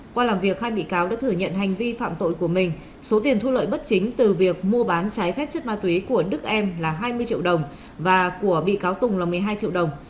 qua làm việc hai bị cáo đã thừa nhận hành vi phạm tội của mình số tiền thu lợi bất chính từ việc mua bán trái phép chất ma túy của đức em là hai mươi triệu đồng và của bị cáo tùng là một mươi hai triệu đồng